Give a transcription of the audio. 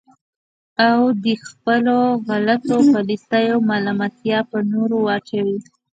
او د خپلو غلطو پالیسیو ملامتیا په نورو واچوي.